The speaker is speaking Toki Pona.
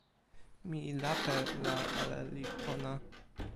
mi lape la ali li pona.